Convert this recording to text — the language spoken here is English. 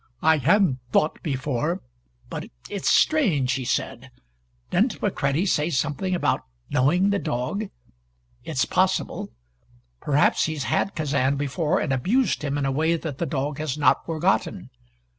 "I hadn't thought before but it's strange," he said. "Didn't McCready say something about knowing the dog? It's possible. Perhaps he's had Kazan before and abused him in a way that the dog has not forgotten.